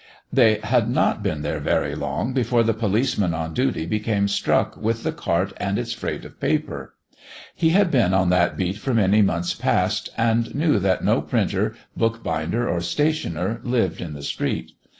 They had not been there very long before the policeman on duty became struck with the cart and its freight of paper. He had been on that beat for many months past, and knew that no printer, bookbinder, or stationer, lived in the street.